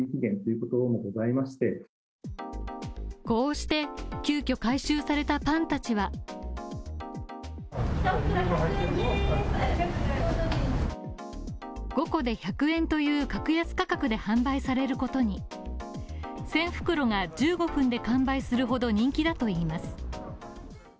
こうして急きょ回収されたパンたちは５個で１００円という格安価格で販売されることに１０００袋が１５分で完売するほど人気だといいます。